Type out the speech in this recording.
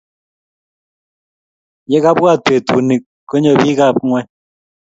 Ye kabwat betuni, konyio pek ab kong'